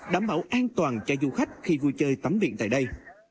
đảm bảo an toàn cho du khách khi vui chơi tắm biển tại đây